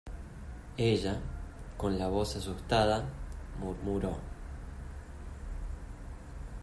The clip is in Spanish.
ella, con la voz asustada , murmuró: